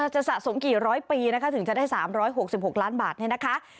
สะสมกี่ร้อยปีนะคะถึงจะได้๓๖๖ล้านบาทเนี่ยนะคะ